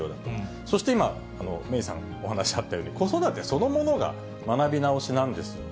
そして今、芽生さん、お話あったように子育てそのものが学び直しなんですと。